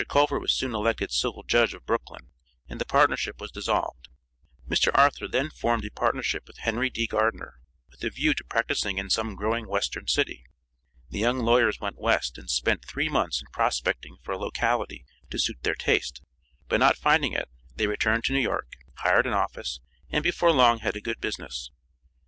Culver was soon elected civil judge of Brooklyn, and the partnership was dissolved. Mr. Arthur then formed a partnership with Henry D. Gardiner, with a view to practicing in some growing Western city. The young lawyers went West and spent three months in prospecting for a locality to suit their taste, but not finding it, they returned to New York, hired an office, and before long had a good business.